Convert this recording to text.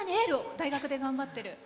大学で頑張ってる。